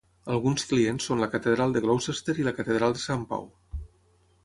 Alguns clients són la catedral de Gloucester i la catedral de Sant Pau.